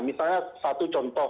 misalnya satu contoh